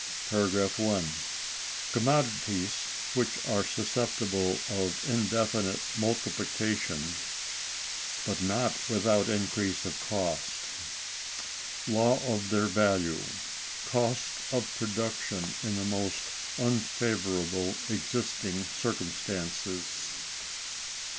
§ 1. Commodities which are susceptible of indefinite Multiplication, but not without increase of Cost. Law of their Value, Cost of Production in the most unfavorable existing circumstances.